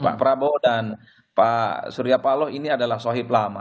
pak prabowo dan pak surya paloh ini adalah sohib lama